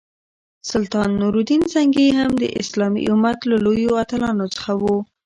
سلطان نور الدین زنګي هم د اسلامي امت له لویو اتلانو څخه وو.